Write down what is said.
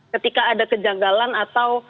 ketika ada kejanggalan atau